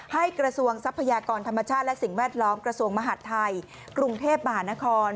กระทรวงทรัพยากรธรรมชาติและสิ่งแวดล้อมกระทรวงมหาดไทยกรุงเทพมหานคร